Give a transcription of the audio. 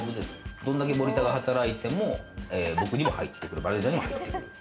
どんだけ森田が働いても、僕にも入ってくる、マネジャーにも入ってくる。